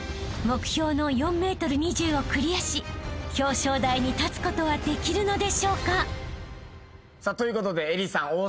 ［目標の４ｍ２０をクリアし表彰台に立つことはできるのでしょうか？］ということで愛理さん